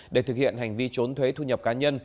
để thực hiện hành vi trốn thuế thu nhập cá nhân